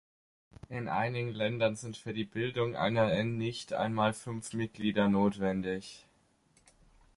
In einigen Ländern sind für die Bildung einer Nnicht einmal fünf Mitglieder notwendig.